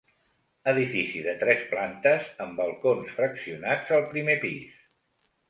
Edifici de tres plantes amb balcons fraccionats al primer pis.